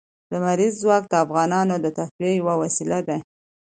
لمریز ځواک د افغانانو د تفریح یوه وسیله ده.